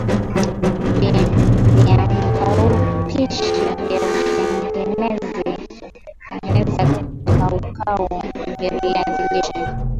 Viambaupishi vya kutengeneza kaukau ya viazi lishe